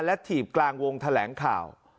และถีบกลางวงแถลงข่าว